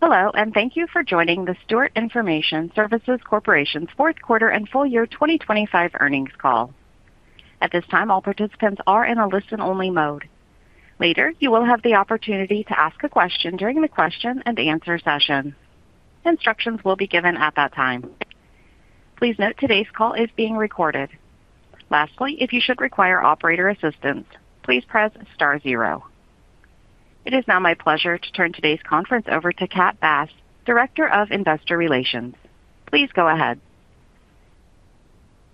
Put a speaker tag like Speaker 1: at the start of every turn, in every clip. Speaker 1: YHello and thank you for joining the Stewart Information Services Corporation's Fourth Quarter and Full year 2025 Earnings Call. At this time, all participants are in a listen-only mode. Later, you will have the opportunity to ask a question during the question and answer session. Instructions will be given at that time. Please note today's call is being recorded. Lastly, if you should require operator assistance, please press star zero. It is now my pleasure to turn today's conference over to Kat Bass, Director of Investor Relations. Please go ahead.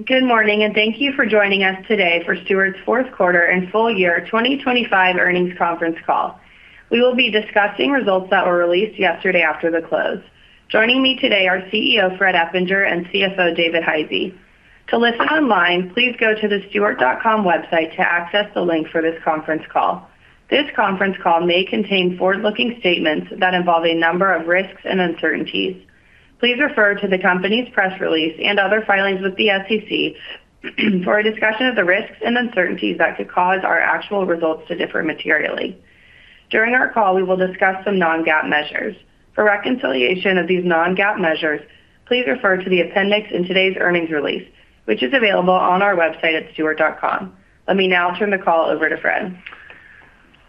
Speaker 2: Good morning and thank you for joining us today for Stewart's Fourth Quarter and Full Year 2025 Earnings Conference Call. We will be discussing results that were released yesterday after the close. Joining me today are CEO Fred Eppinger and CFO David Hisey. To listen online, please go to the stewart.com website to access the link for this conference call. This conference call may contain forward-looking statements that involve a number of risks and uncertainties. Please refer to the company's press release and other filings with the SEC for a discussion of the risks and uncertainties that could cause our actual results to differ materially. During our call, we will discuss some non-GAAP measures. For reconciliation of these non-GAAP measures, please refer to the appendix in today's earnings release, which is available on our website at stewart.com. Let me now turn the call over to Fred.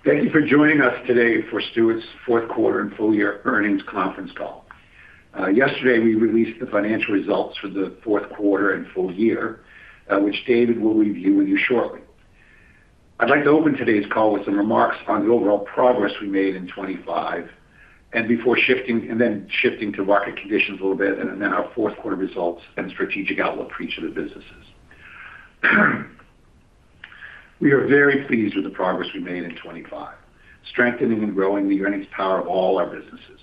Speaker 3: Thank you for joining us today for Stewart's Fourth Quarter and Full Year Earnings Conference Call. Yesterday, we released the financial results for the fourth quarter and full year, which David will review with you shortly. I'd like to open today's call with some remarks on the overall progress we made in 2025 and then shifting to market conditions a little bit and then our fourth quarter results and strategic outlook for each of the businesses. We are very pleased with the progress we made in 2025, strengthening and growing the earnings power of all our businesses.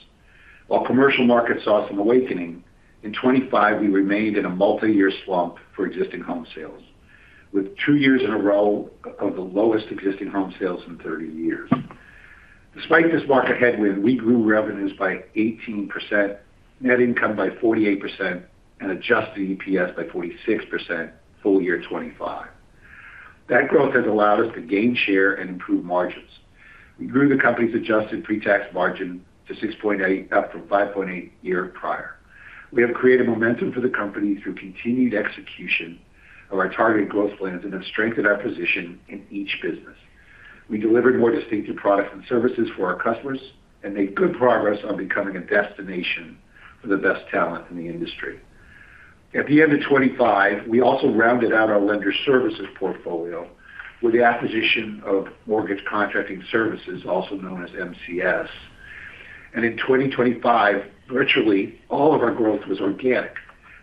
Speaker 3: While commercial markets saw some awakening, in 2025, we remained in a multi-year slump for existing home sales, with two years in a row of the lowest existing home sales in 30 years. Despite this market headwind, we grew revenues by 18%, net income by 48%, and adjusted EPS by 46% full year 2025. That growth has allowed us to gain share and improve margins. We grew the company's adjusted pre-tax margin to 6.8%, up from 5.8% year prior. We have created momentum for the company through continued execution of our targeted growth plans and have strengthened our position in each business. We delivered more distinctive products and services for our customers and made good progress on becoming a destination for the best talent in the industry. At the end of 2025, we also rounded out our Lender Services portfolio with the acquisition of Mortgage Contracting Services, also known as NCS. In 2025, virtually all of our growth was organic,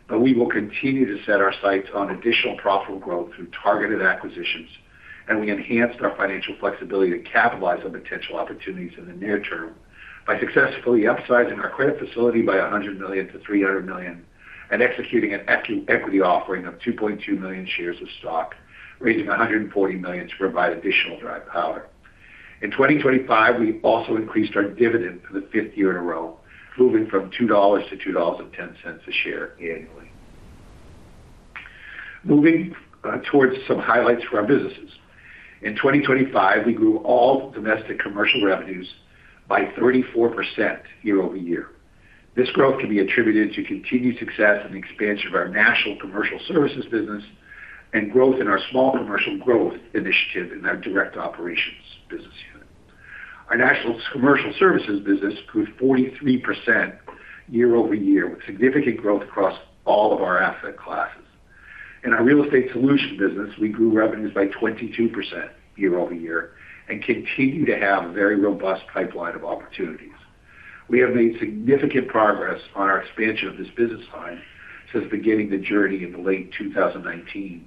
Speaker 3: but we will continue to set our sights on additional profitable growth through targeted acquisitions. We enhanced our financial flexibility to capitalize on potential opportunities in the near term by successfully upsizing our credit facility by $100 million to $300 million and executing an equity offering of 2.2 million shares of stock, raising $140 million to provide additional dry powder. In 2025, we also increased our dividend for the fifth year in a row, moving from $2 to $2.10 a share annually. Moving towards some highlights for our businesses. In 2025, we grew all domestic commercial revenues by 34% year-over-year. This growth can be attributed to continued success in the expansion of our national commercial services business and growth in our small commercial growth initiative in our direct operations business unit. Our national commercial services business grew 43% year-over-year, with significant growth across all of our asset classes. In our real estate solution business, we grew revenues by 22% year-over-year and continue to have a very robust pipeline of opportunities. We have made significant progress on our expansion of this business line since beginning the journey in the late 2019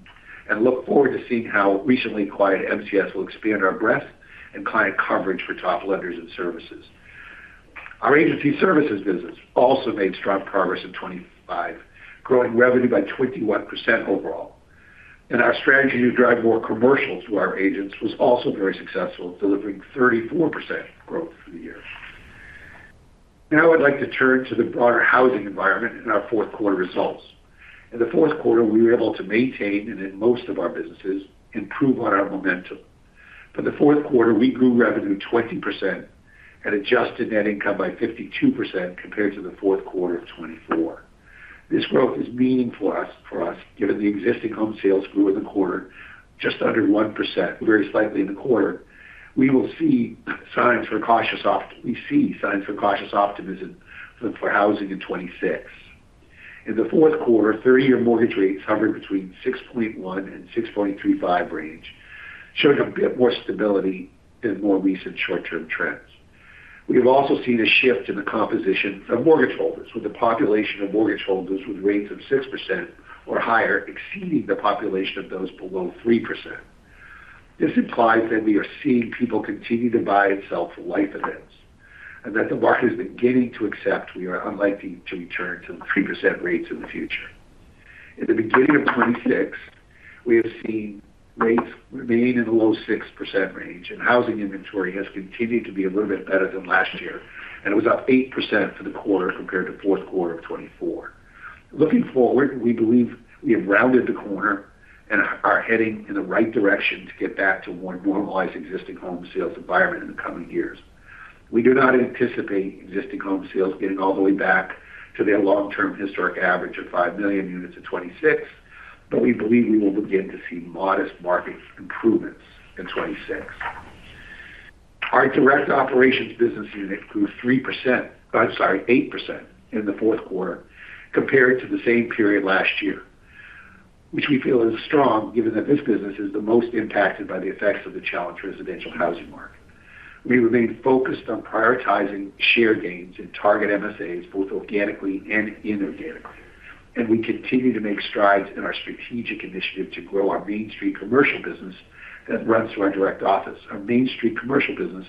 Speaker 3: and look forward to seeing how recently acquired NCS will expand our breadth and client coverage for top lenders and services. Our agency services business also made strong progress in 2025, growing revenue by 21% overall. Our strategy to drive more commercial to our agents was also very successful, delivering 34% growth for the year. Now I'd like to turn to the broader housing environment and our fourth quarter results. In the fourth quarter, we were able to maintain and, in most of our businesses, improve on our momentum. For the fourth quarter, we grew revenue 20% and adjusted net income by 52% compared to the fourth quarter of 2024. This growth is meaningful for us given the existing home sales grew in the quarter just under 1%. Very slightly in the quarter, we will see signs for cautious optimism for housing in 2026. In the fourth quarter, 30-year mortgage rates hovered between 6.1%-6.35% range, showing a bit more stability than more recent short-term trends. We have also seen a shift in the composition of mortgage holders, with the population of mortgage holders with rates of 6% or higher exceeding the population of those below 3%. This implies that we are seeing people continue to buy and sell for life events and that the market is beginning to accept we are unlikely to return to the 3% rates in the future. In the beginning of 2026, we have seen rates remain in the low 6% range, and housing inventory has continued to be a little bit better than last year, and it was up 8% for the quarter compared to fourth quarter of 2024. Looking forward, we believe we have rounded the corner and are heading in the right direction to get back to a more normalized existing home sales environment in the coming years. We do not anticipate existing home sales getting all the way back to their long-term historic average of 5 million units in 2026, but we believe we will begin to see modest market improvements in 2026. Our direct operations business unit grew 3% I'm sorry, 8% in the fourth quarter compared to the same period last year, which we feel is strong given that this business is the most impacted by the effects of the challenge residential housing market. We remain focused on prioritizing share gains in target MSAs, both organically and inorganically, and we continue to make strides in our strategic initiative to grow our main street commercial business that runs through our direct office. Our main street commercial business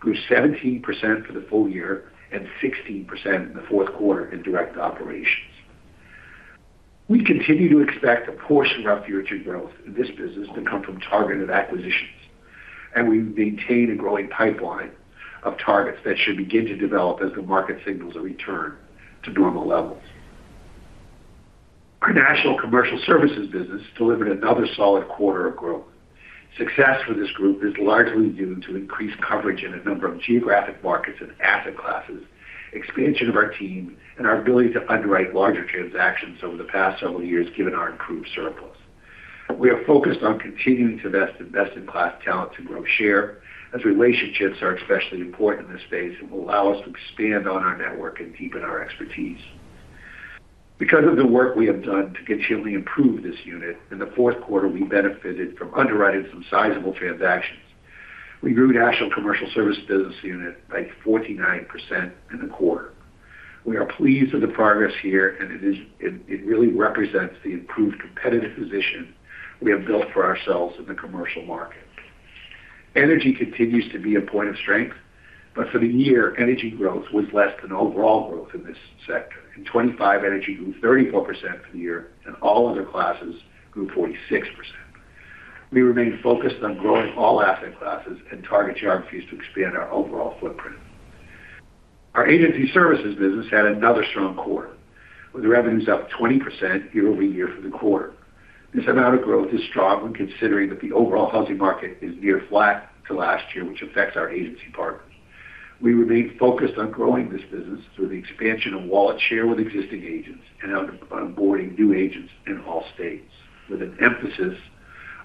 Speaker 3: grew 17% for the full year and 16% in the fourth quarter in direct operations. We continue to expect a portion of our future growth in this business to come from targeted acquisitions, and we maintain a growing pipeline of targets that should begin to develop as the market signals a return to normal levels. Our National Commercial Services business delivered another solid quarter of growth. Success for this group is largely due to increased coverage in a number of geographic markets and asset classes, expansion of our team, and our ability to underwrite larger transactions over the past several years given our improved surplus. We are focused on continuing to invest in best-in-class talent to grow share as relationships are especially important in this space and will allow us to expand on our network and deepen our expertise. Because of the work we have done to continually improve this unit, in the fourth quarter, we benefited from underwriting some sizable transactions. We grew National Commercial Services business unit by 49% in the quarter. We are pleased with the progress here, and it really represents the improved competitive position we have built for ourselves in the commercial market. Energy continues to be a point of strength, but for the year, energy growth was less than overall growth in this sector. In 2025, energy grew 34% for the year, and all other classes grew 46%. We remain focused on growing all asset classes and target geographies to expand our overall footprint. Our agency services business had another strong quarter, with revenues up 20% year-over-year for the quarter. This amount of growth is strong when considering that the overall housing market is near flat to last year, which affects our agency partners. We remain focused on growing this business through the expansion of wallet share with existing agents and on onboarding new agents in all states, with an emphasis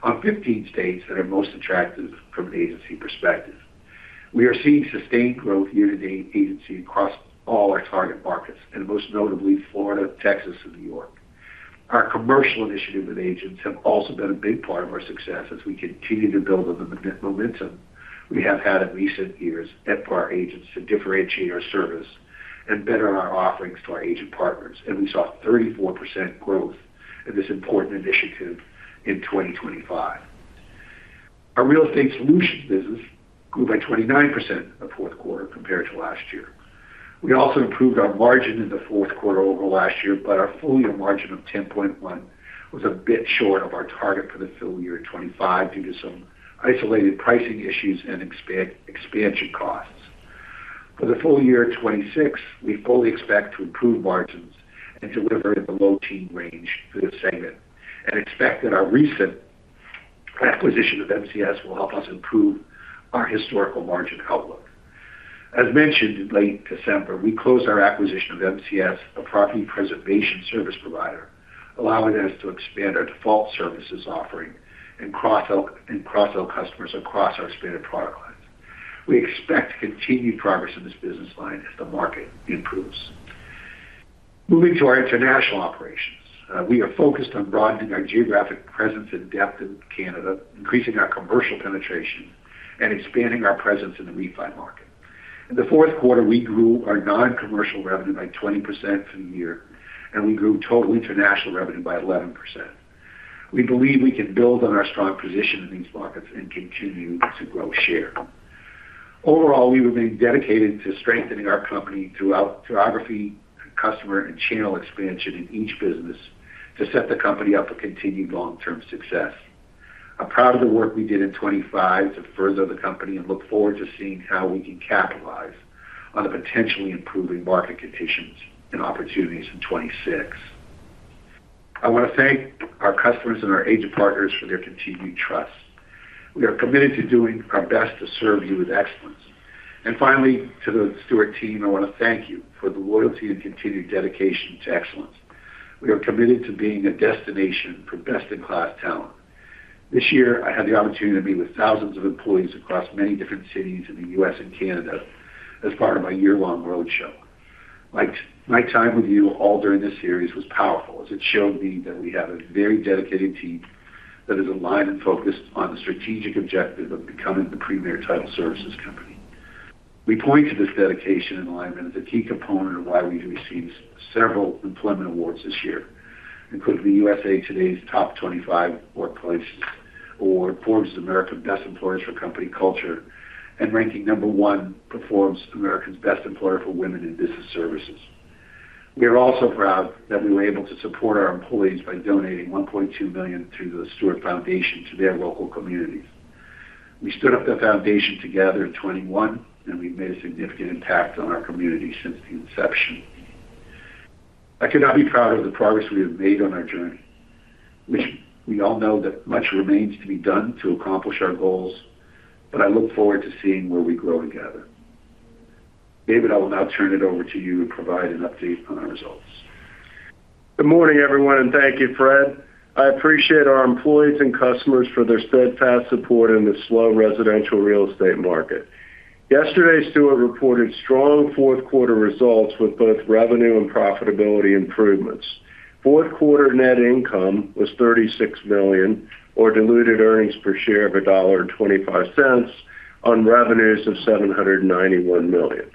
Speaker 3: on 15 states that are most attractive from an agency perspective. We are seeing sustained growth year-to-date agency across all our target markets, and most notably, Florida, Texas, and New York. Our commercial initiative with agents have also been a big part of our success as we continue to build on the momentum we have had in recent years for our agents to differentiate our service and better our offerings to our agent partners. We saw 34% growth in this important initiative in 2025. Our Real Estate Solutions business grew by 29% the fourth quarter compared to last year. We also improved our margin in the fourth quarter over last year, but our full year margin of 10.1% was a bit short of our target for the full year 2025 due to some isolated pricing issues and expansion costs. For the full year 2026, we fully expect to improve margins and deliver in the low teens range for this segment and expect that our recent acquisition of NCS will help us improve our historical margin outlook. As mentioned in late December, we closed our acquisition of NCS, a property preservation service provider, allowing us to expand our default services offering and cross-sell customers across our expanded product lines. We expect continued progress in this business line as the market improves. Moving to our international operations, we are focused on broadening our geographic presence and depth in Canada, increasing our commercial penetration, and expanding our presence in the refi market. In the fourth quarter, we grew our non-commercial revenue by 20% for the year, and we grew total international revenue by 11%. We believe we can build on our strong position in these markets and continue to grow share. Overall, we remain dedicated to strengthening our company throughout geography, customer, and channel expansion in each business to set the company up for continued long-term success. I'm proud of the work we did in 2025 to further the company and look forward to seeing how we can capitalize on the potentially improving market conditions and opportunities in 2026. I want to thank our customers and our agent partners for their continued trust. We are committed to doing our best to serve you with excellence. And finally, to the Stewart team, I want to thank you for the loyalty and continued dedication to excellence. We are committed to being a destination for best-in-class talent. This year, I had the opportunity to meet with thousands of employees across many different cities in the US and Canada as part of my year-long roadshow. My time with you all during this series was powerful as it showed me that we have a very dedicated team that is aligned and focused on the strategic objective of becoming the premier title services company. We point to this dedication and alignment as a key component of why we've received several employment awards this year, including the USA TODAY's Top 25 Workplaces Award, Forbes' America's Best Employers for Company Culture, and ranking number one in Forbes' America's Best Employer for Women in Business Services. We are also proud that we were able to support our employees by donating $1.2 million through the Stewart Foundation to their local communities. We stood up the foundation together in 2021, and we've made a significant impact on our community since the inception. I could not be prouder of the progress we have made on our journey. We all know that much remains to be done to accomplish our goals, but I look forward to seeing where we grow together. David, I will now turn it over to you and provide an update on our results.
Speaker 4: Good morning, everyone, and thank you, Fred. I appreciate our employees and customers for their steadfast support in the slow residential real estate market. Yesterday, Stewart reported strong fourth quarter results with both revenue and profitability improvements. Fourth quarter net income was $36 million, or diluted earnings per share of $1.25, on revenues of $791 million.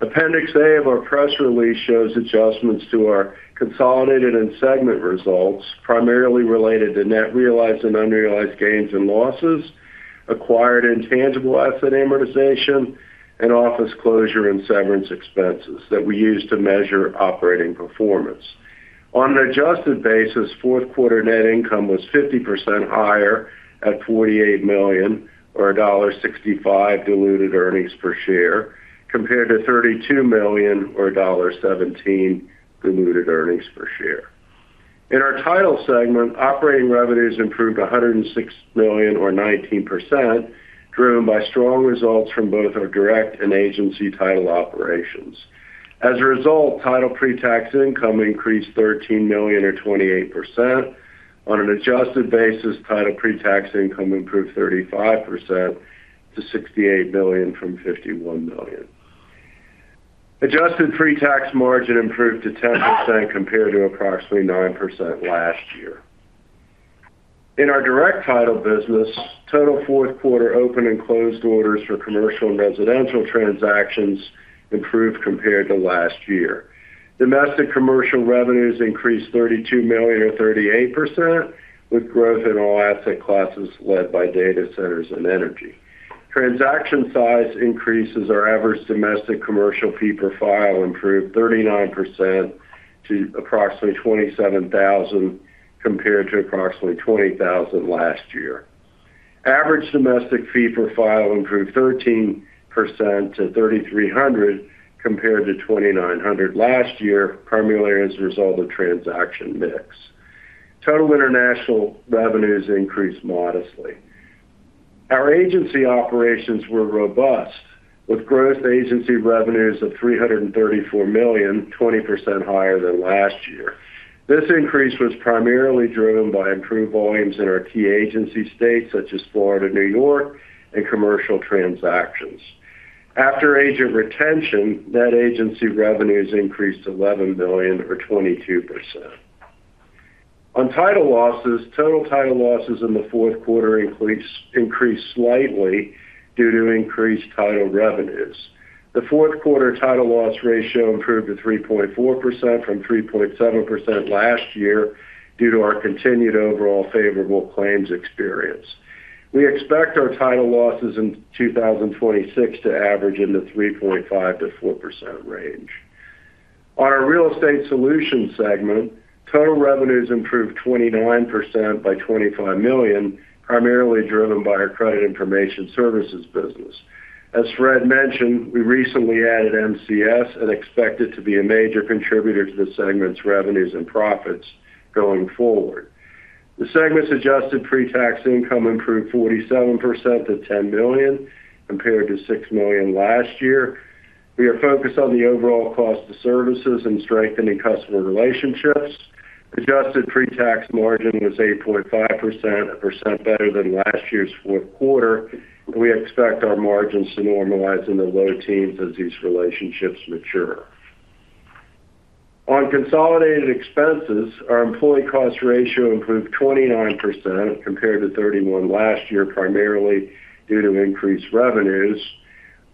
Speaker 4: Appendix A of our press release shows adjustments to our consolidated and segment results, primarily related to net realized and unrealized gains and losses, acquired intangible asset amortization, and office closure and severance expenses that we use to measure operating performance. On an adjusted basis, fourth quarter net income was 50% higher at $48 million, or $1.65 diluted earnings per share, compared to $32 million, or $1.17 diluted earnings per share. In our title segment, operating revenues improved $106 million, or 19%, driven by strong results from both our direct and agency title operations. As a result, title pre-tax income increased $13 million, or 28%. On an adjusted basis, title pre-tax income improved 35% to $68 million from $51 million. Adjusted pre-tax margin improved to 10% compared to approximately 9% last year. In our direct title business, total fourth quarter open and closed orders for commercial and residential transactions improved compared to last year. Domestic commercial revenues increased $32 million, or 38%, with growth in all asset classes led by data centers and energy. Transaction size increases or average domestic commercial fee per file improved 39% to approximately $27,000 compared to approximately $20,000 last year. Average domestic fee per file improved 13% to $3,300 compared to $2,900 last year, primarily as a result of transaction mix. Total international revenues increased modestly. Our agency operations were robust, with growth agency revenues of $334 million, 20% higher than last year. This increase was primarily driven by improved volumes in our key agency states such as Florida and New York and commercial transactions. After agent retention, net agency revenues increased $11 million, or 22%. On title losses, total title losses in the fourth quarter increased slightly due to increased title revenues. The fourth quarter title loss ratio improved to 3.4% from 3.7% last year due to our continued overall favorable claims experience. We expect our title losses in 2026 to average in the 3.5%-4% range. On our real estate solutions segment, total revenues improved 29% by $25 million, primarily driven by our credit information services business. As Fred mentioned, we recently added NCS and expect it to be a major contributor to this segment's revenues and profits going forward. The segment's adjusted pre-tax income improved 47% to $10 million compared to $6 million last year. We are focused on the overall cost of services and strengthening customer relationships. Adjusted pre-tax margin was 8.5%, a percent better than last year's fourth quarter, and we expect our margins to normalize in the low teens as these relationships mature. On consolidated expenses, our employee cost ratio improved 29% compared to 31% last year, primarily due to increased revenues,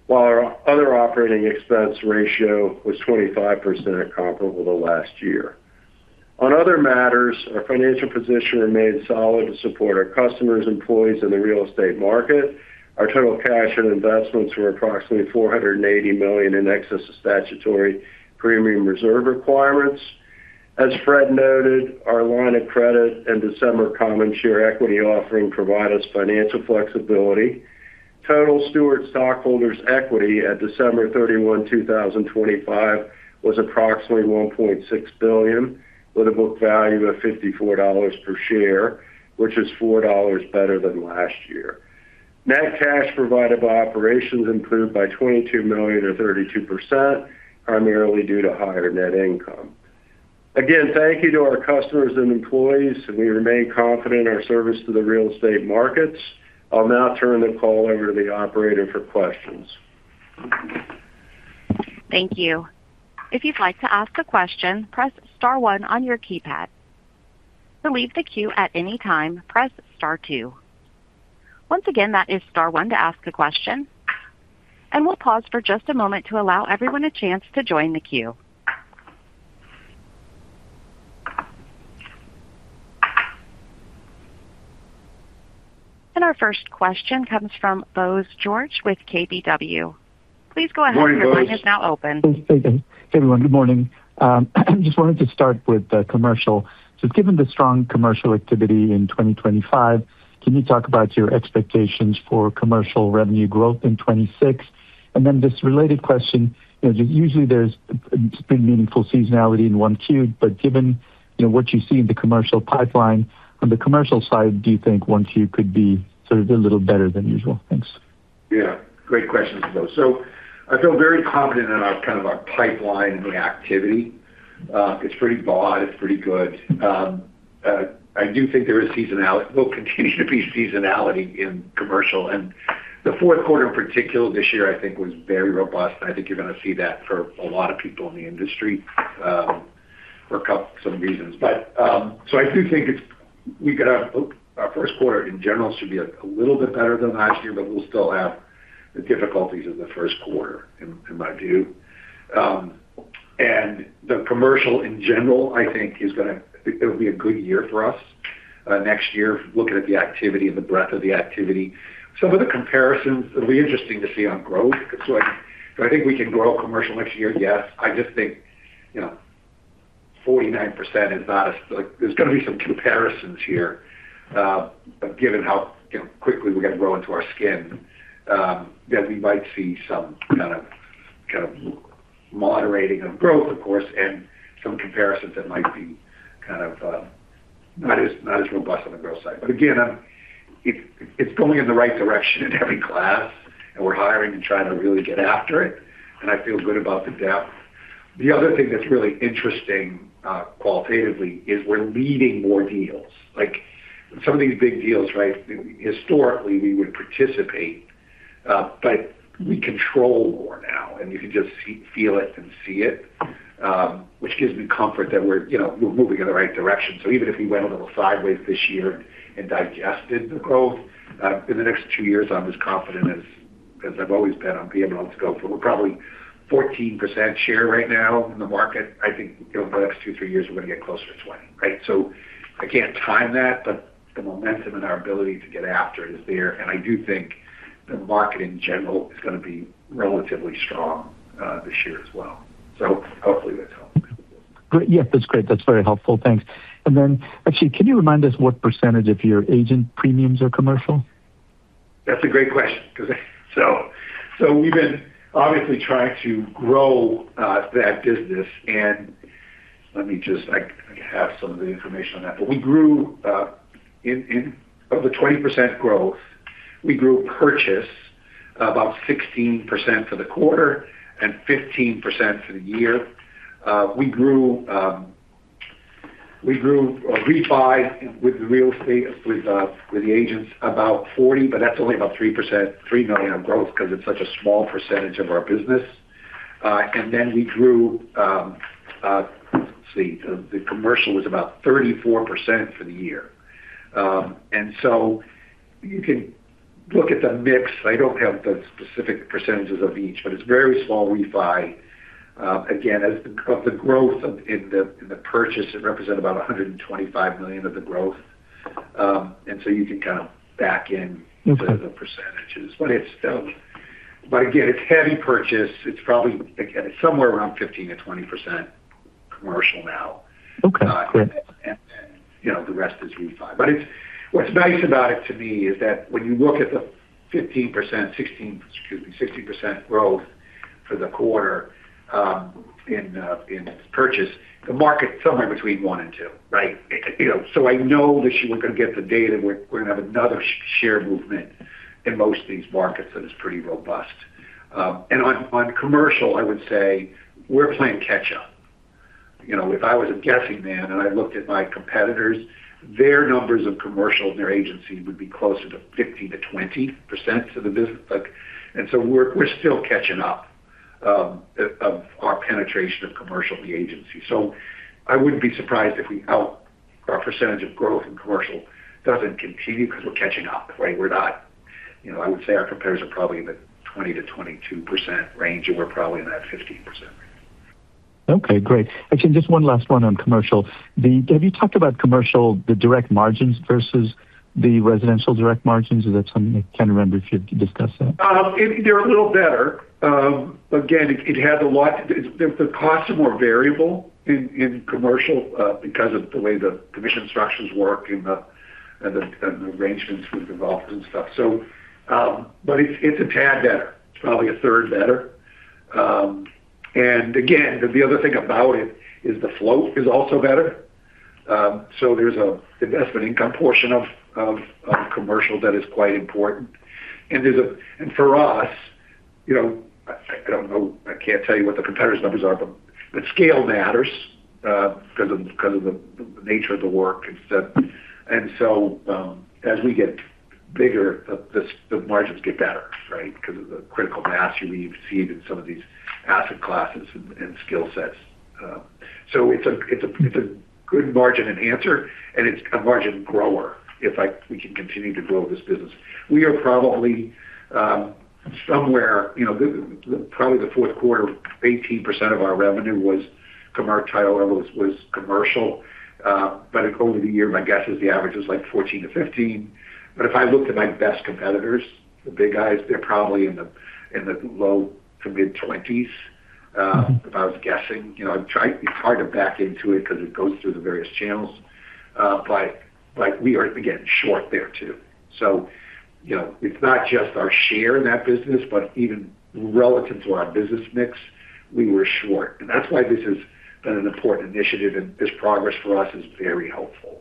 Speaker 4: while our other operating expense ratio was 25% comparable to last year. On other matters, our financial position remained solid to support our customers, employees, and the real estate market. Our total cash and investments were approximately $480 million in excess of statutory premium reserve requirements. As Fred noted, our line of credit and December common share equity offering provide us financial flexibility. Total Stewart stockholders' equity at December 31, 2025, was approximately $1.6 billion, with a book value of $54 per share, which is $4 better than last year. Net cash provided by operations improved by $22 million, or 32%, primarily due to higher net income. Again, thank you to our customers and employees, and we remain confident in our service to the real estate markets. I'll now turn the call over to the operator for questions.
Speaker 1: Thank you. If you'd like to ask a question, press star one on your keypad. To leave the queue at any time, press star two. Once again, that is star one to ask a question. We'll pause for just a moment to allow everyone a chance to join the queue. Our first question comes from Bose George with KBW. Please go ahead.
Speaker 3: Morning, Bose.
Speaker 1: Your line is now open.
Speaker 5: Hey, everyone. Good morning. I just wanted to start with commercial. So given the strong commercial activity in 2025, can you talk about your expectations for commercial revenue growth in 2026? And then this related question, usually there's pretty meaningful seasonality in 1Q, but given what you see in the commercial pipeline, on the commercial side, do you think 1Qcould be sort of a little better than usual? Thanks.
Speaker 3: Yeah. Great question, Bose. So I feel very confident in kind of our pipeline and the activity. It's pretty broad. It's pretty good. I do think there is seasonality. It will continue to be seasonality in commercial. And the fourth quarter, in particular, this year, I think was very robust. I think you're going to see that for a lot of people in the industry for some reasons. So I do think we've got our first quarter, in general, should be a little bit better than last year, but we'll still have the difficulties of the first quarter in my view. And the commercial, in general, I think it'll be a good year for us next year, looking at the activity and the breadth of the activity. Some of the comparisons will be interesting to see on growth. So do I think we can grow commercial next year? Yes. I just think 49% is not a threshold. There's going to be some comparisons here. But given how quickly we're going to grow into our skin, then we might see some kind of moderating of growth, of course, and some comparisons that might be kind of not as robust on the growth side. But again, it's going in the right direction in every class, and we're hiring and trying to really get after it. And I feel good about the depth. The other thing that's really interesting qualitatively is we're leading more deals. Some of these big deals, right, historically, we would participate, but we control more now. And you can just feel it and see it, which gives me comfort that we're moving in the right direction. So even if we went a little sideways this year and digested the growth, in the next two years, I'm as confident as I've always been [on where we'll go]. But we're probably 14% share right now in the market. I think over the next two, three years, we're going to get closer to 20, right? So I can't time that, but the momentum and our ability to get after it is there. And I do think the market, in general, is going to be relatively strong this year as well. So hopefully, that's helpful.
Speaker 5: Great. Yeah, that's great. That's very helpful. Thanks. And then actually, can you remind us what percentage of your agent premiums are commercial?
Speaker 3: That's a great question because. So we've been obviously trying to grow that business. And let me just. I have some of the information on that. But of the 20% growth, we grew purchase about 16% for the quarter and 15% for the year. We grew refi with the real estate, with the agents, about 40%, but that's only about $3 million of growth because it's such a small percentage of our business. And then we grew. Let's see. The commercial was about 34% for the year. And so you can look at the mix. I don't have the specific percentages of each, but it's very small refi. Again, of the growth in the purchase, it represented about $125 million of the growth. And so you can kind of back into the percentages. But again, it's heavy purchase. It's probably somewhere around 15%-20% commercial now. And then the rest is refi. But what's nice about it to me is that when you look at the 15%, 16%—excuse me, 16%—growth for the quarter in purchase, the market's somewhere between 1% and 2%, right? So I know this year, we're going to get the data. We're going to have another share movement in most of these markets that is pretty robust. And on commercial, I would say we're playing catch-up. If I was a guessing man and I looked at my competitors, their numbers of commercial in their agency would be closer to 15%-20% of the business. And so we're still catching up of our penetration of commercial in the agency. So I wouldn't be surprised if our percentage of growth in commercial doesn't continue because we're catching up, right? I would say our compares are probably in the 20%-22% range, and we're probably in that 15% range.
Speaker 5: Okay. Great. Actually, just one last one on commercial. Have you talked about the direct margins versus the residential direct margins? Is that something I can't remember if you've discussed that?
Speaker 3: They're a little better. Again, it has a lot the costs are more variable in commercial because of the way the commission structures work and the arrangements with the offers and stuff. But it's a tad better. It's probably a third better. And again, the other thing about it is the float is also better. So there's an investment income portion of commercial that is quite important. And for us I don't know. I can't tell you what the competitors' numbers are, but scale matters because of the nature of the work and stuff. And so as we get bigger, the margins get better, right, because of the critical mass you receive in some of these asset classes and skill sets. So it's a good margin and answer, and it's a margin grower if we can continue to grow this business. We are probably somewhere probably the fourth quarter, 18% of our revenue was title level was commercial. But over the year, my guess is the average is like 14-15. But if I looked at my best competitors, the big guys, they're probably in the low- to mid-20s, if I was guessing. It's hard to back into it because it goes through the various channels. But we are, again, short there too. So it's not just our share in that business, but even relative to our business mix, we were short. And that's why this has been an important initiative, and this progress for us is very helpful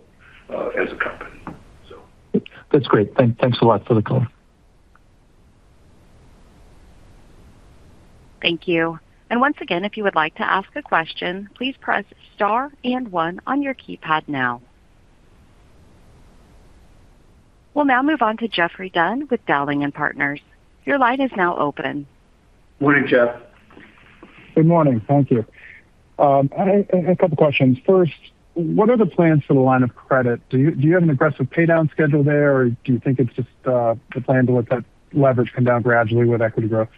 Speaker 3: as a company, so.
Speaker 5: That's great. Thanks a lot for the call.
Speaker 1: Thank you. And once again, if you would like to ask a question, please press star and one on your keypad now. We'll now move on to Geoffrey Dunn with Dowling & Partners. Your line is now open.
Speaker 3: Morning, Jeff.
Speaker 6: Good morning. Thank you. A couple of questions. First, what are the plans for the line of credit? Do you have an aggressive paydown schedule there, or do you think it's just the plan to let that leverage come down gradually with equity growth?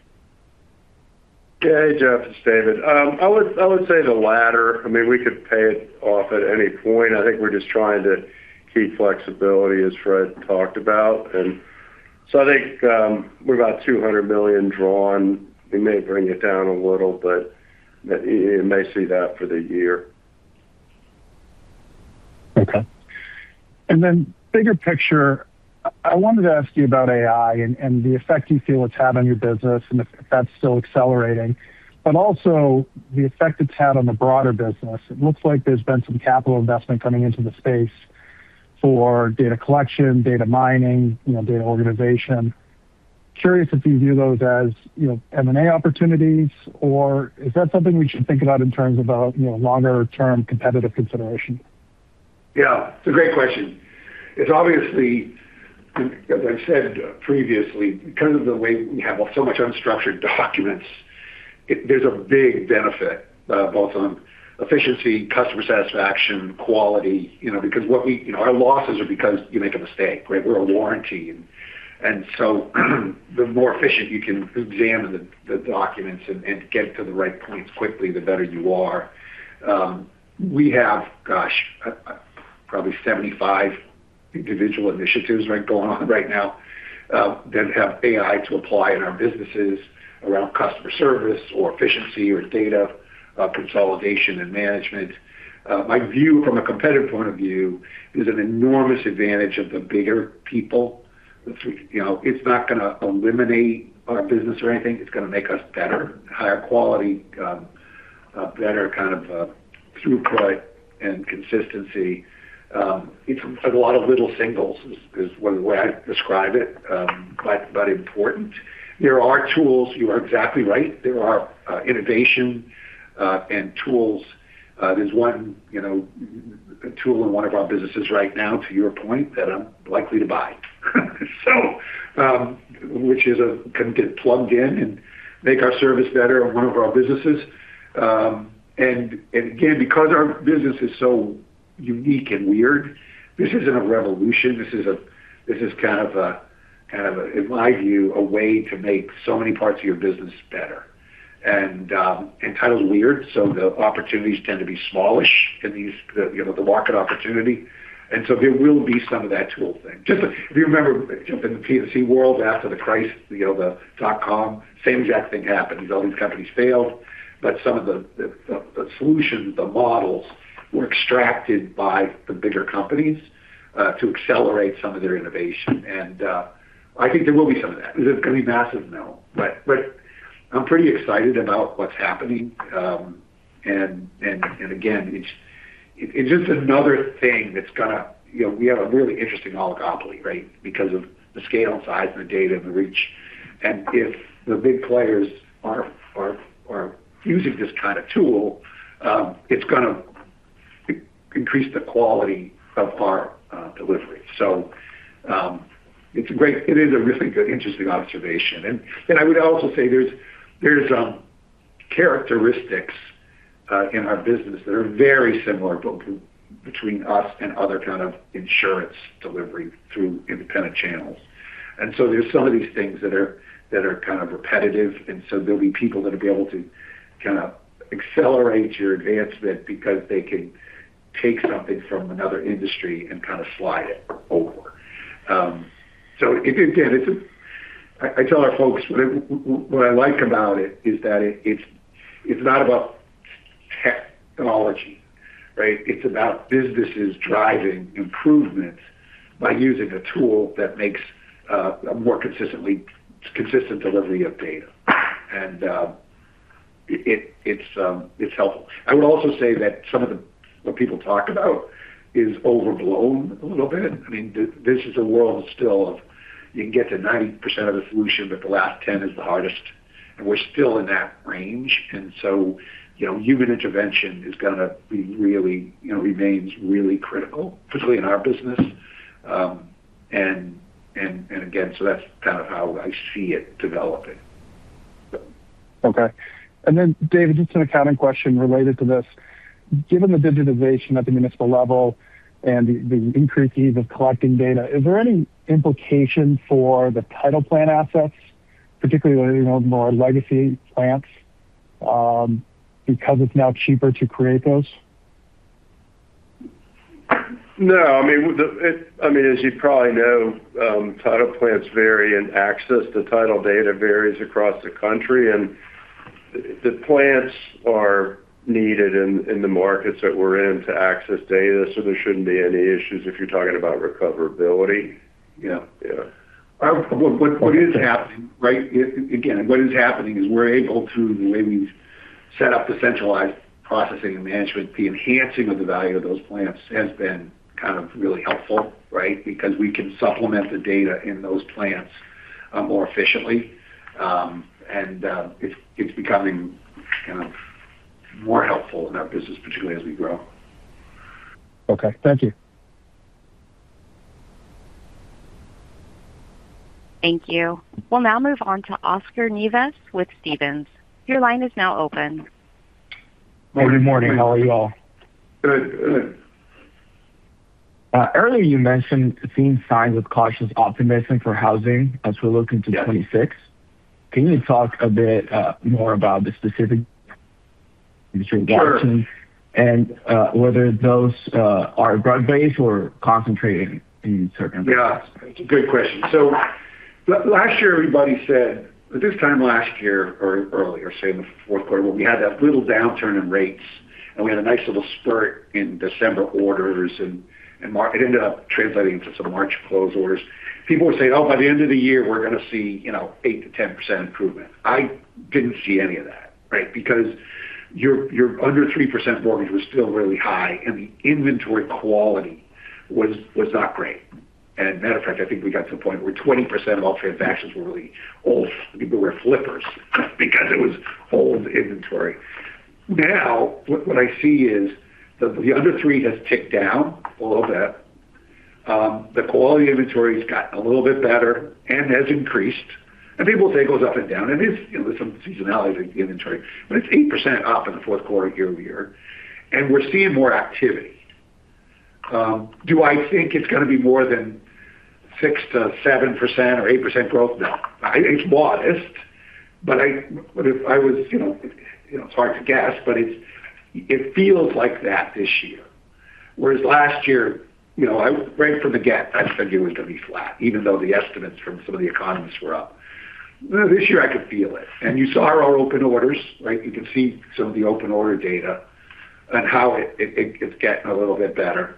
Speaker 4: Hey, Jeff. It's David. I would say the latter. I mean, we could pay it off at any point. I think we're just trying to keep flexibility, as Fred talked about. And so I think we're about $200 million drawn. We may bring it down a little, but you may see that for the year.
Speaker 6: Okay. And then bigger picture, I wanted to ask you about AI and the effect you feel it's had on your business and if that's still accelerating, but also the effect it's had on the broader business. It looks like there's been some capital investment coming into the space for data collection, data mining, data organization. Curious if you view those as M&A opportunities, or is that something we should think about in terms of a longer-term competitive consideration?
Speaker 3: Yeah. It's a great question. As I've said previously, because of the way we have so much unstructured documents, there's a big benefit both on efficiency, customer satisfaction, quality because what our losses are because you make a mistake, right? We're a warranty. And so the more efficient you can examine the documents and get to the right points quickly, the better you are. We have, gosh, probably 75 individual initiatives, right, going on right now that have AI to apply in our businesses around customer service or efficiency or data consolidation and management. My view from a competitive point of view is an enormous advantage of the bigger people. It's not going to eliminate our business or anything. It's going to make us better, higher quality, better kind of throughput and consistency. It's a lot of little singles is the way I describe it, but important. There are tools. You are exactly right. There are innovation and tools. There's one tool in one of our businesses right now, to your point, that I'm likely to buy, which is plugged in and make our service better in one of our businesses. Again, because our business is so unique and weird, this isn't a revolution. This is kind of, in my view, a way to make so many parts of your business better. Title's weird, so the opportunities tend to be smallish in the market opportunity. So there will be some of that tool thing. Just if you remember, Jeff, in the P&C world after the crisis, the dot-com, same exact thing happened. All these companies failed, but some of the solutions, the models, were extracted by the bigger companies to accelerate some of their innovation. I think there will be some of that. Is it going to be massive? No. But I'm pretty excited about what's happening. And again, it's just another thing that's going to, we have a really interesting oligopoly, right, because of the scale and size and the data and the reach. And if the big players are using this kind of tool, it's going to increase the quality of our delivery. So it's a great, it is a really interesting observation. And I would also say there's characteristics in our business that are very similar between us and other kind of insurance delivery through independent channels. And so there's some of these things that are kind of repetitive. And so there'll be people that will be able to kind of accelerate your advancement because they can take something from another industry and kind of slide it over. So again, I tell our folks what I like about it is that it's not about technology, right? It's about businesses driving improvements by using a tool that makes a more consistent delivery of data. And it's helpful. I would also say that some of what people talk about is overblown a little bit. I mean, this is a world still of you can get to 90% of the solution, but the last 10% is the hardest. And we're still in that range. And so human intervention is going to remain really critical, particularly in our business. And again, so that's kind of how I see it developing.
Speaker 6: Okay. Then, David, just an accounting question related to this. Given the digitization at the municipal level and the increased ease of collecting data, is there any implication for the title plant assets, particularly the more legacy plants, because it's now cheaper to create those?
Speaker 4: No. I mean, as you probably know, title plants vary, and access to title data varies across the country. And the plants are needed in the markets that we're in to access data, so there shouldn't be any issues if you're talking about recoverability.
Speaker 3: Yeah. What is happening, right again, what is happening is we're able through the way we've set up the centralized processing and management, the enhancing of the value of those plants has been kind of really helpful, right, because we can supplement the data in those plants more efficiently. It's becoming kind of more helpful in our business, particularly as we grow.
Speaker 6: Okay. Thank you.
Speaker 1: Thank you. We'll now move on to Oscar Nieves with Stephens. Your line is now open.
Speaker 7: Good morning. How are you all?
Speaker 3: Good. Good.
Speaker 7: Earlier, you mentioned seeing signs of cautious optimism for housing as we're looking to 2026. Can you talk a bit more about the specifics? I'm sure you're watching and whether those are geography-based or concentrated in certain regions.
Speaker 3: Yeah. It's a good question. So last year, everybody said this time last year or earlier, say in the fourth quarter, when we had that little downturn in rates and we had a nice little spurt in December orders, and it ended up translating into some March close orders, people were saying, "Oh, by the end of the year, we're going to see 8%-10% improvement." I didn't see any of that, right, because your under-3% mortgage was still really high, and the inventory quality was not great. And as a matter of fact, I think we got to the point where 20% of all transactions were really old. People were flippers because it was old inventory. Now, what I see is the under-three has ticked down a little bit. The quality of inventory's gotten a little bit better and has increased. People say it goes up and down. There's some seasonality to the inventory. But it's 8% up in the fourth quarter year-over-year. We're seeing more activity. Do I think it's going to be more than 6%-7% or 8% growth? No. It's modest. But if I was it's hard to guess, but it feels like that this year. Whereas last year, right from the get, I figured it was going to be flat, even though the estimates from some of the economists were up. This year, I could feel it. You saw our open orders, right? You can see some of the open order data and how it's getting a little bit better.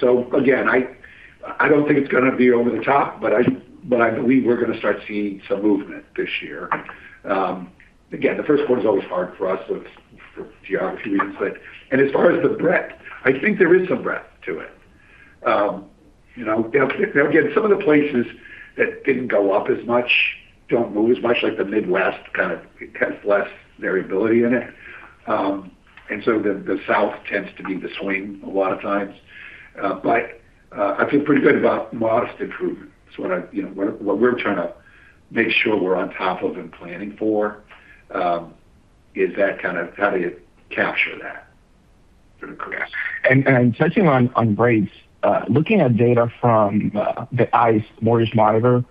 Speaker 3: So again, I don't think it's going to be over the top, but I believe we're going to start seeing some movement this year. Again, the first quarter's always hard for us for geography reasons. And as far as the breadth, I think there is some breadth to it. Now, again, some of the places that didn't go up as much don't move as much, like the Midwest kind of has less variability in it. And so the South tends to be the swing a lot of times. But I feel pretty good about modest improvement. So what we're trying to make sure we're on top of and planning for is kind of how do you capture that through the.
Speaker 7: Yes. Touching on rates, looking at data from the ICE Mortgage Monitor,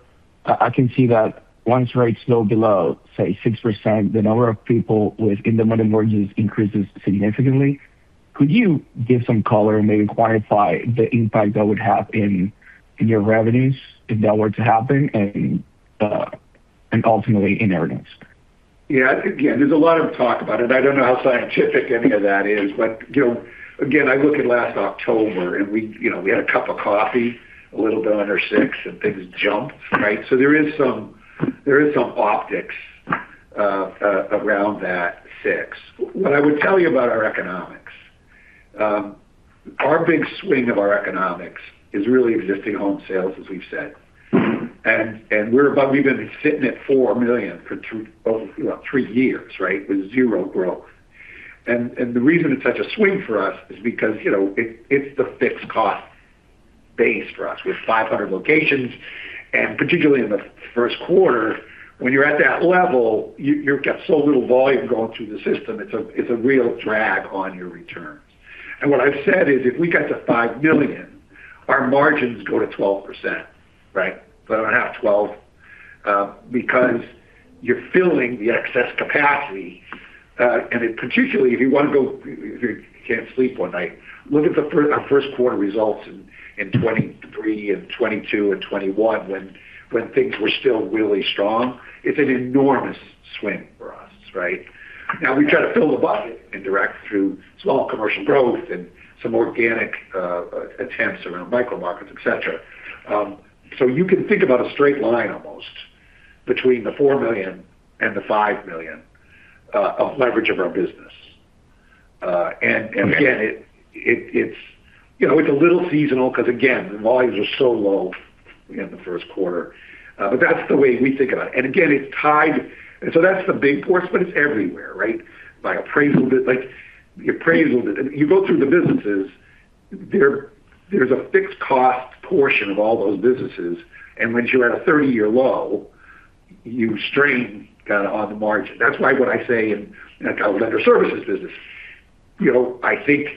Speaker 7: I can see that once rates go below, say, 6%, the number of people with in-the-money mortgages increases significantly. Could you give some color and maybe quantify the impact that would have in your revenues if that were to happen and ultimately in evidence?
Speaker 3: Yeah. Again, there's a lot of talk about it. I don't know how scientific any of that is. But again, I look at last October, and we had a cup of coffee a little bit under six, and things jumped, right? So there is some optics around that 6. What I would tell you about our economics, our big swing of our economics is really existing home sales, as we've said. And we've been sitting at 4 million for three years, right, with zero growth. And the reason it's such a swing for us is because it's the fixed-cost base for us. We have 500 locations. And particularly in the first quarter, when you're at that level, you've got so little volume going through the system, it's a real drag on your returns. And what I've said is if we got to 5 million, our margins go to 12%, right? But I don't have 12 because you're filling the excess capacity. And particularly if you want to go if you can't sleep one night, look at our first quarter results in 2023 and 2022 and 2021 when things were still really strong. It's an enormous swing for us, right? Now, we try to fill the budget indirect through small commercial growth and some organic attempts around micromarkets, etc. So you can think about a straight line almost between the 4 million and the 5 million of leverage of our business. And again, it's a little seasonal because, again, the volumes are so low in the first quarter. But that's the way we think about it. And again, it's tied so that's the big portion, but it's everywhere, right, by appraisal bit. You go through the businesses. There's a fixed-cost portion of all those businesses. And once you're at a 30-year low, you strain kind of on the margin. That's why what I say in our lender services business, I think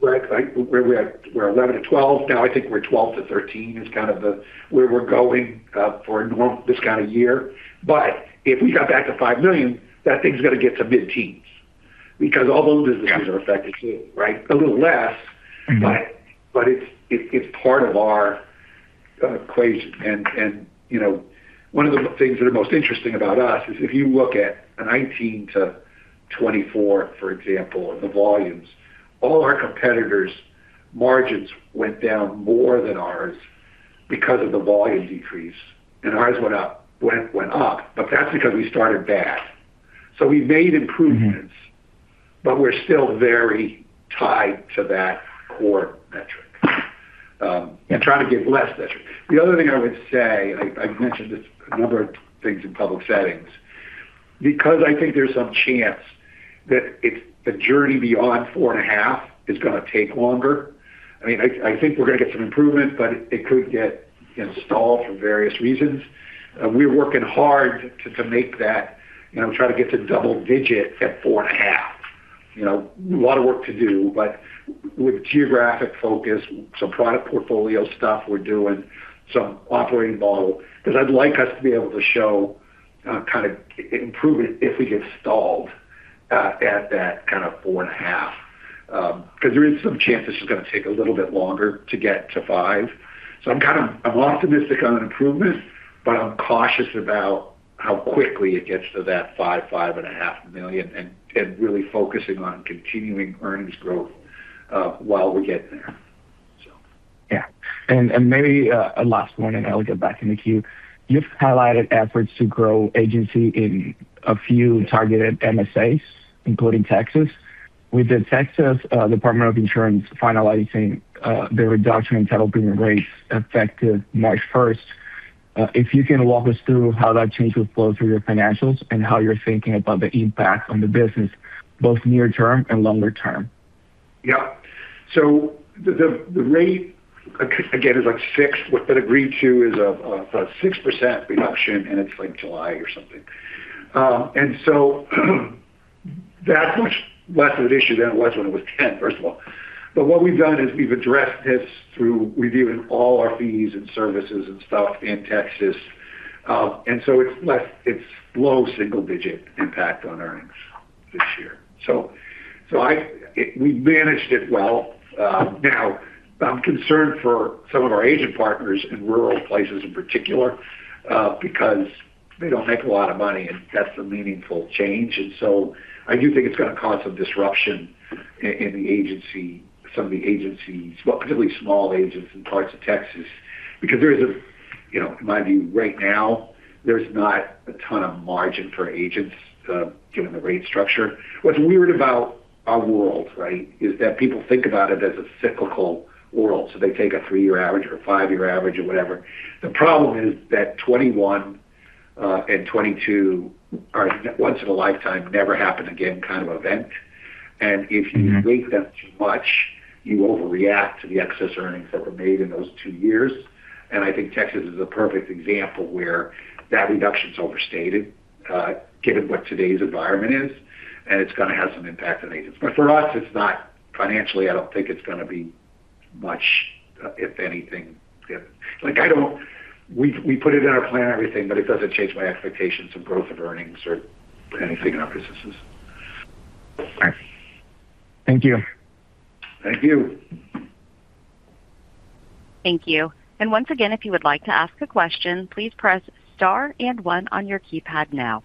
Speaker 3: where we're at, we're 11-12. Now, I think we're 12-13 is kind of where we're going for this kind of year. But if we got back to 5 million, that thing's going to get to mid-teens because all those businesses are affected too, right, a little less. But it's part of our equation. And one of the things that are most interesting about us is if you look at 2018-2024, for example, the volumes, all our competitors' margins went down more than ours because of the volume decrease. And ours went up. Went up. But that's because we started bad. So we've made improvements, but we're still very tied to that core metric and trying to give less metric. The other thing I would say, and I've mentioned a number of things in public settings, because I think there's some chance that the journey beyond 4.5 is going to take longer. I mean, I think we're going to get some improvements, but it could get stalled for various reasons. We're working hard to make that try to get to double-digit at 4.5. A lot of work to do. But with geographic focus, some product portfolio stuff we're doing, some operating model because I'd like us to be able to show kind of improvement if we get stalled at that kind of 4.5 because there is some chance it's just going to take a little bit longer to get to five. I'm optimistic on improvements, but I'm cautious about how quickly it gets to that 5-5.5 million, and really focusing on continuing earnings growth while we get there, so.
Speaker 7: Yeah. And maybe a last one, and I'll get back in the queue. You've highlighted efforts to grow agency in a few targeted MSAs, including Texas. With the Texas Department of Insurance finalizing the reduction in title payment rates effective March 1st, if you can walk us through how that change would flow through your financials and how you're thinking about the impact on the business, both near-term and longer-term?
Speaker 3: Yep. So the rate, again, is fixed. What's been agreed to is a 6% reduction, and it's July or something. And so that's much less of an issue than it was when it was 10%, first of all. But what we've done is we've addressed this through reviewing all our fees and services and stuff in Texas. And so it's low single-digit impact on earnings this year. So we've managed it well. Now, I'm concerned for some of our agent partners in rural places in particular because they don't make a lot of money, and that's a meaningful change. And so I do think it's going to cause some disruption in some of the agencies, particularly small agents in parts of Texas because there is, in my view, right now, there's not a ton of margin for agents given the rate structure. What's weird about our world, right, is that people think about it as a cyclical world. So they take a three-year average or a five-year average or whatever. The problem is that '21 and '22 are once-in-a-lifetime, never-happen-again kind of event. And if you rate them too much, you overreact to the excess earnings that were made in those two years. And I think Texas is a perfect example where that reduction's overstated given what today's environment is, and it's going to have some impact on agents. But for us, financially, I don't think it's going to be much, if anything. We put it in our plan and everything, but it doesn't change my expectations of growth of earnings or anything in our businesses.
Speaker 7: All right. Thank you.
Speaker 3: Thank you.
Speaker 1: Thank you. And once again, if you would like to ask a question, please press star and 1 on your keypad now.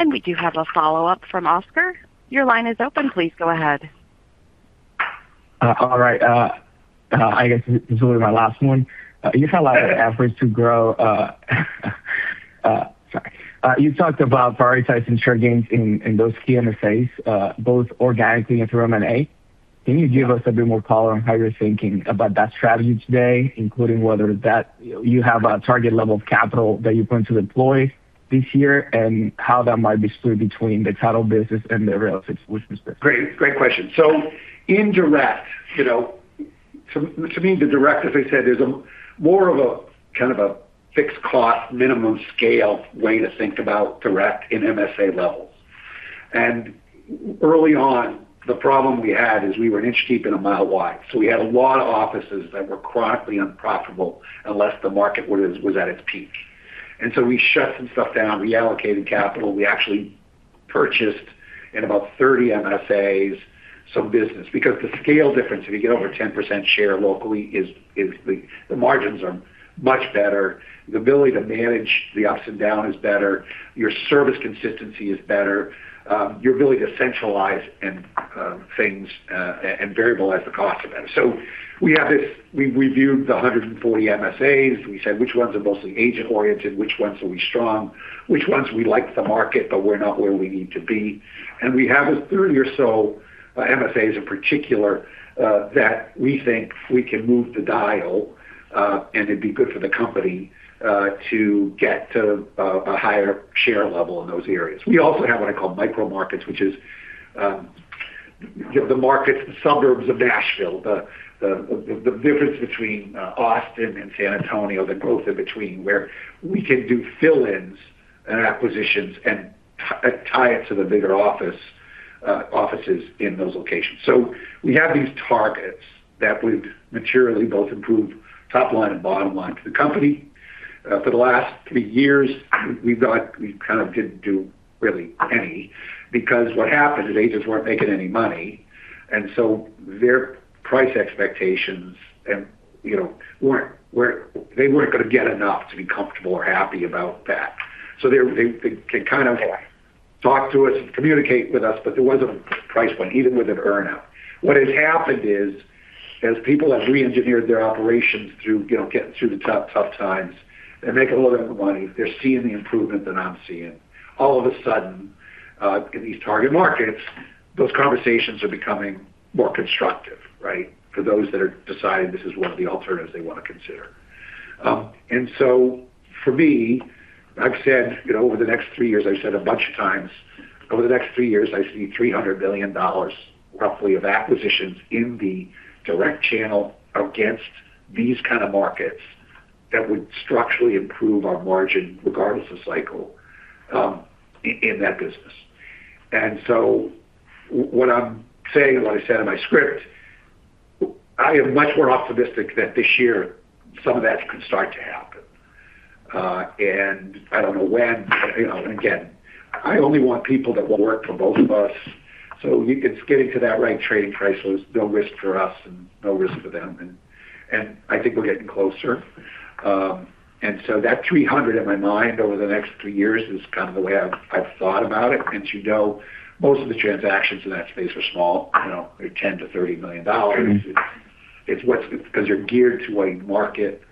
Speaker 1: And we do have a follow-up from Oscar. Your line is open. Please go ahead.
Speaker 7: All right. I guess this will be my last one. You highlighted efforts to grow, sorry. You talked about prioritizing share gains in those key MSAs, both organically and through M&A. Can you give us a bit more color on how you're thinking about that strategy today, including whether you have a target level of capital that you plan to deploy this year and how that might be split between the title business and the real estate solutions business?
Speaker 3: Great question. So to me, the direct, as I said, is more of a kind of a fixed-cost minimum scale way to think about direct in MSA levels. And early on, the problem we had is we were an inch deep and a mile wide. So we had a lot of offices that were chronically unprofitable unless the market was at its peak. And so we shut some stuff down, reallocated capital. We actually purchased in about 30 MSAs some business because the scale difference, if you get over 10% share locally, the margins are much better. The ability to manage the ups and down is better. Your service consistency is better. Your ability to centralize things and variabilize the costs are better. So we reviewed the 140 MSAs. We said, "Which ones are mostly agent-oriented? Which ones are we strong? “Which ones we like the market, but we're not where we need to be?” And we have 30 or so MSAs in particular that we think we can move the dial, and it'd be good for the company to get to a higher share level in those areas. We also have what I call micromarkets, which is the suburbs of Nashville, the difference between Austin and San Antonio, the growth in between, where we can do fill-ins and acquisitions and tie it to the bigger offices in those locations. So we have these targets that would materially both improve top line and bottom line for the company. For the last three years, we kind of didn't do really any because what happened is agents weren't making any money. And so their price expectations weren't going to get enough to be comfortable or happy about that. So they can kind of talk to us, communicate with us, but there wasn't a price point, even with an earnout. What has happened is as people have re-engineered their operations through getting through the tough times, they're making a little bit more money. They're seeing the improvement that I'm seeing. All of a sudden, in these target markets, those conversations are becoming more constructive, right, for those that are deciding this is one of the alternatives they want to consider. And so for me, I've said over the next three years I've said a bunch of times, "Over the next three years, I see $300 million, roughly, of acquisitions in the direct channel against these kind of markets that would structurally improve our margin regardless of cycle in that business." And so what I'm saying, what I said in my script, I am much more optimistic that this year, some of that can start to happen. And I don't know when. And again, I only want people that will work for both of us. So it's getting to that right trading price was no risk for us and no risk for them. And I think we're getting closer. And so that 300 in my mind over the next three years is kind of the way I've thought about it. And as you know, most of the transactions in that space are small. They're $10 million-$30 million. It's because you're geared to a market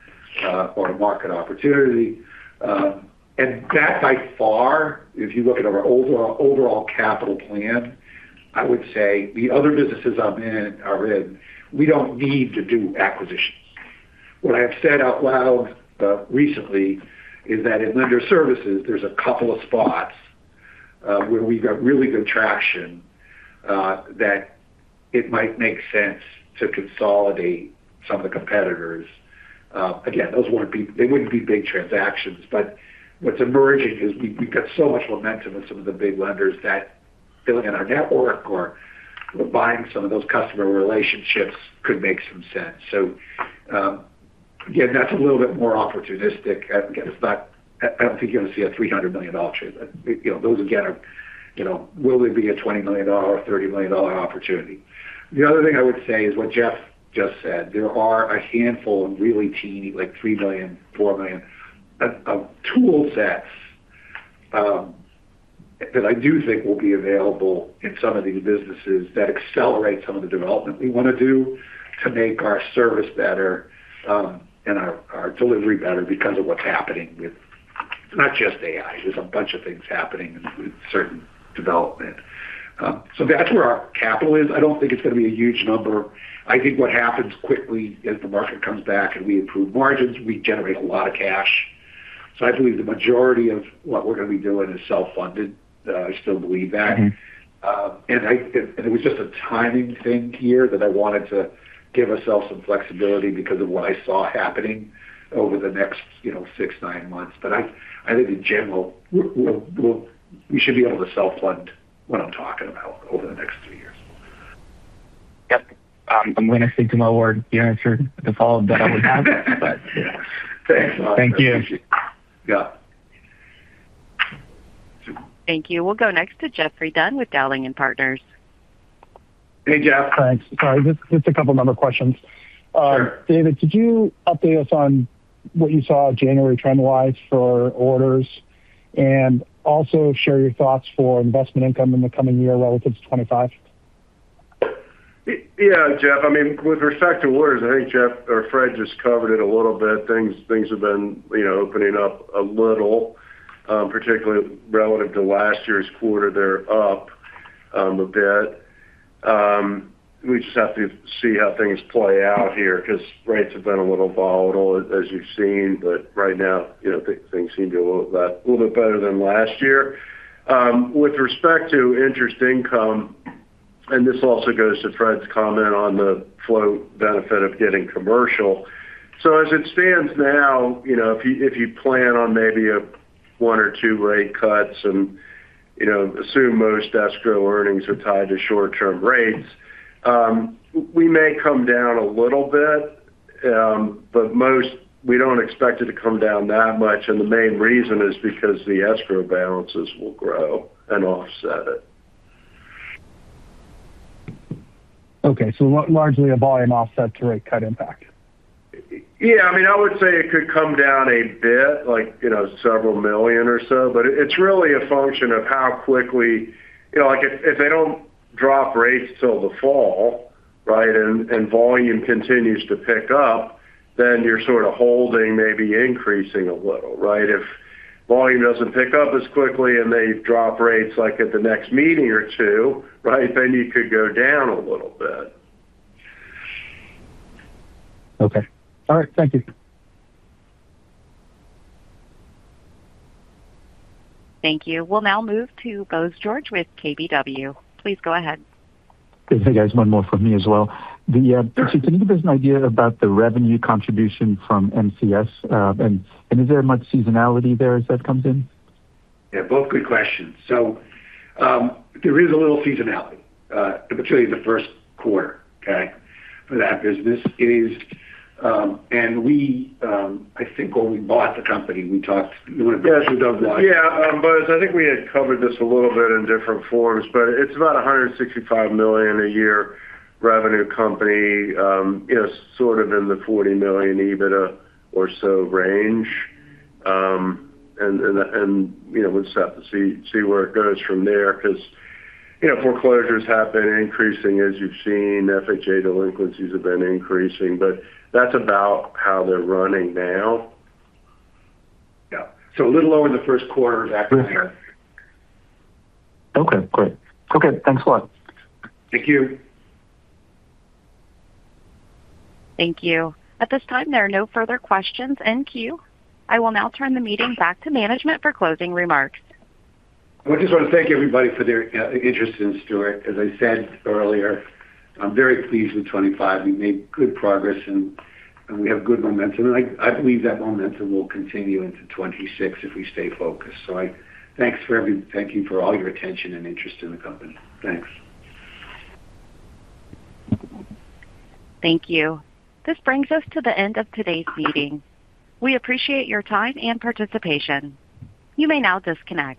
Speaker 3: or a market opportunity. And that, by far, if you look at our overall capital plan, I would say the other businesses I'm in are in, we don't need to do acquisitions. What I have said out loud recently is that in lender services, there's a couple of spots where we've got really good traction that it might make sense to consolidate some of the competitors. Again, those wouldn't be big transactions. But what's emerging is we've got so much momentum with some of the big lenders that filling in our network or buying some of those customer relationships could make some sense. So again, that's a little bit more opportunistic. Again, I don't think you're going to see a $300 million trade. Those, again, will they be a $20 million or $30 million opportunity? The other thing I would say is what Jeff just said. There are a handful of really teeny, like $3 million, $4 million, of tool sets that I do think will be available in some of these businesses that accelerate some of the development we want to do to make our service better and our delivery better because of what's happening with not just AI. There's a bunch of things happening with certain development. So that's where our capital is. I don't think it's going to be a huge number. I think what happens quickly is the market comes back, and we improve margins. We generate a lot of cash. So I believe the majority of what we're going to be doing is self-funded. I still believe that. It was just a timing thing here that I wanted to give ourselves some flexibility because of what I saw happening over the next 6-9 months. I think in general, we should be able to self-fund what I'm talking about over the next three years.
Speaker 7: Yep. I'm going to stick to my word. You answered the follow-up that I would have, but yeah.
Speaker 3: Thanks.
Speaker 7: Thank you.
Speaker 3: Yeah.
Speaker 1: Thank you. We'll go next to Geoffrey Dunn with Dowling & Partners.
Speaker 4: Hey, Jeff.
Speaker 6: Thanks. Sorry. Just a couple of number questions. David, could you update us on what you saw January trend-wise for orders and also share your thoughts for investment income in the coming year relative to 2025?
Speaker 4: Yeah, Jeff. I mean, with respect to orders, I think Jeff or Fred just covered it a little bit. Things have been opening up a little, particularly relative to last year's quarter. They're up a bit. We just have to see how things play out here because rates have been a little volatile, as you've seen. But right now, things seem to be a little bit better than last year. With respect to interest income, and this also goes to Fred's comment on the float benefit of getting commercial, so as it stands now, if you plan on maybe one or two rate cuts and assume most escrow earnings are tied to short-term rates, we may come down a little bit. But we don't expect it to come down that much. And the main reason is because the escrow balances will grow and offset it.
Speaker 6: Okay. So largely a volume offset to rate cut impact?
Speaker 4: Yeah. I mean, I would say it could come down a bit, $several million or so. But it's really a function of how quickly if they don't drop rates till the fall, right, and volume continues to pick up, then you're sort of holding, maybe increasing a little, right? If volume doesn't pick up as quickly and they drop rates at the next meeting or two, right, then you could go down a little bit.
Speaker 6: Okay. All right. Thank you.
Speaker 1: Thank you. We'll now move to Bose George with KBW. Please go ahead.
Speaker 5: Hey, guys. One more from me as well. Thank you. Can you give us an idea about the revenue contribution from MCS? And is there much seasonality there as that comes in?
Speaker 3: Yeah. Both good questions. So there is a little seasonality, particularly in the first quarter, okay, for that business. And I think when we bought the company, we talked. You want to go ahead?
Speaker 4: Yeah. I think we had covered this a little bit in different forms. But it's about a $165 million a year revenue company, sort of in the $40 million EBITDA or so range. And we'll just have to see where it goes from there because foreclosures have been increasing, as you've seen. FHA delinquencies have been increasing. But that's about how they're running now.
Speaker 3: Yeah. A little lower in the first quarter than back in the year.
Speaker 5: Okay. Great. Okay. Thanks a lot.
Speaker 3: Thank you.
Speaker 1: Thank you. At this time, there are no further questions in queue. I will now turn the meeting back to management for closing remarks.
Speaker 3: I just want to thank everybody for their interest in Stewart. As I said earlier, I'm very pleased with 2025. We made good progress, and we have good momentum. And I believe that momentum will continue into 2026 if we stay focused. So thanks for all your attention and interest in the company. Thanks.
Speaker 1: Thank you. This brings us to the end of today's meeting. We appreciate your time and participation. You may now disconnect.